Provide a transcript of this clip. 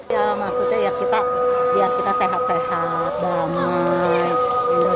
ya maksudnya ya kita biar kita sehat sehat banget